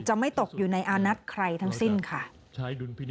ไม่ตกอยู่ในอานัทใครทั้งสิ้นค่ะ